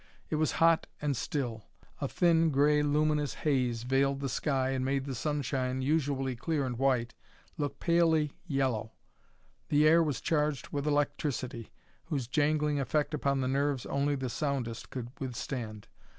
It was hot and still; a thin, gray, luminous haze veiled the sky and made the sunshine, usually clear and white, look palely yellow; the air was charged with electricity, whose jangling effect upon the nerves only the soundest could withstand.